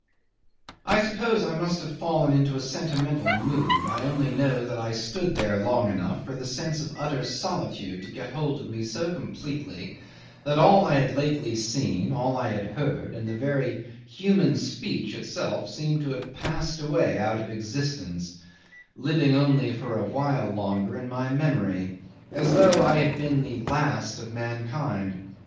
'I suppose I must have fallen into a sentimental mood; I only know that I stood there long enough for the sense of utter solitude to get hold of me so completely that all I had lately seen, all I had heard, and the very human speech itself, seemed to have passed away out of existence, living only for a while longer in my memory, as though I had been the last of mankind.